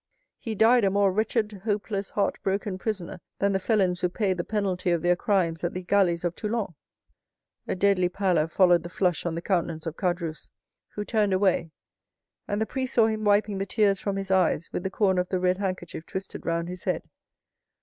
"He died a more wretched, hopeless, heart broken prisoner than the felons who pay the penalty of their crimes at the galleys of Toulon." A deadly pallor followed the flush on the countenance of Caderousse, who turned away, and the priest saw him wiping the tears from his eyes with the corner of the red handkerchief twisted round his head.